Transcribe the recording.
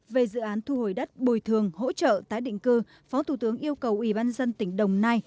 về dự án thu hồi đất bồi thường hỗ trợ tái định cư phó thủ tướng yêu cầu ubnd tỉnh đồng nai